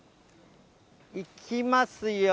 いきますよ。